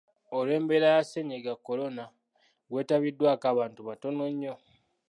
Olw’embeera ya Ssennyiga Kolona, gwetabiddwako abantu batono nnyo.